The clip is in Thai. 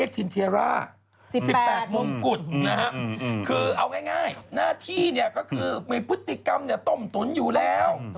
๑๘มุมกุฎนะครับคือเอาง่ายหน้าที่เนี่ยก็คือมีพฤติกรรมเนี่ยต้มตุ๋นอยู่แล้ว